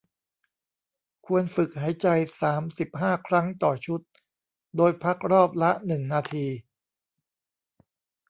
ควรฝึกหายใจ สามสิบห้า ครั้งต่อชุด โดยพักรอบละ หนึ่ง นาที